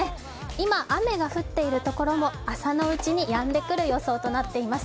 今、雨が降っているところも朝のうちにやんでくる予想となっています。